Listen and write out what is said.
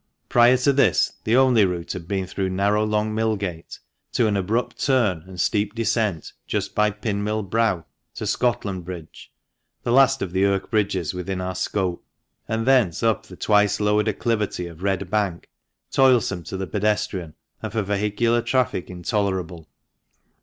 Prior to this the only route had been through narrow Long Millgate to an abrupt turn and steep descent just by Pinmill Brow to Scotland Bridge (the last of the Irk bridges within our scope), and thence up the twice lowered acclivity of Red Bank, toilsome to the pedestrian, and for vehicular traffic intolerable.